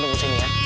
sampai jumpa lagi